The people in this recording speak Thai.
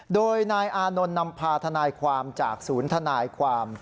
โดยนายอานนท์นำพาทนายความจากศูนย์ทนายความ